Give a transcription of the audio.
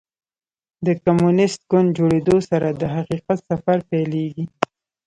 د کمونیسټ ګوند جوړېدو سره د حقیقت سفر پیلېږي.